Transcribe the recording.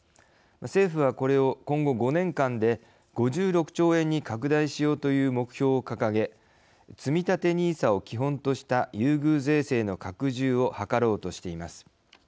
政府はこれを今後５年間で５６兆円に拡大しようという目標を掲げつみたてＮＩＳＡを基本とした優遇税制の拡充をはかろうとしています。